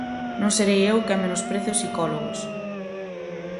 Non serei eu quen menosprece os psicólogos.